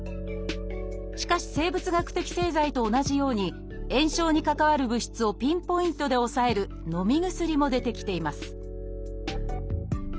しかし生物学的製剤と同じように炎症に関わる物質をピンポイントで抑えるのみ薬も出てきています